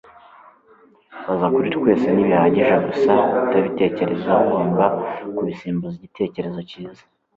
baza kuri twese - ntibihagije gusa kutabitekerezaho ugomba kubisimbuza igitekerezo cyiza